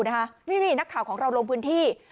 เนี้ยเนี้ยนักข่าวของเรารวมพื้นที่